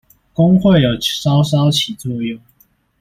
工會有稍稍起作用